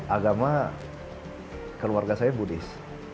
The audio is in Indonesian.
agama keluarga saya buddhis